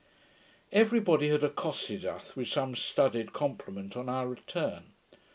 ] Every body had accosted us with some studied compliment on our return.